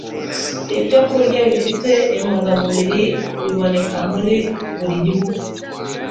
Ibyokurya Bifite Intungamubiri Biboneka muri Buri Gihugu